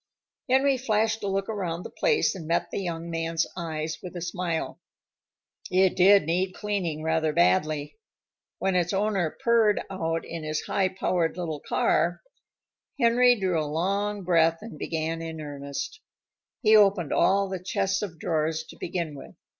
Henry flashed a look around the place, and met the young man's eyes with a smile. It did need cleaning rather badly. When its owner purred out in his high powered little car, Henry drew a long breath and began in earnest. He opened all the chests of drawers to begin with.